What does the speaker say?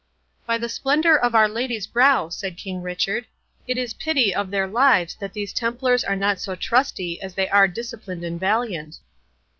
"By the splendour of Our Lady's brow!" said King Richard, "it is pity of their lives that these Templars are not so trusty as they are disciplined and valiant."